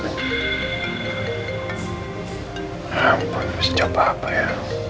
ya ampun bisa coba apa ya